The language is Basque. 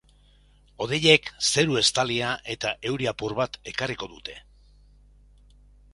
Hodeiek zeru estalia eta euri apur bat ekarriko dute.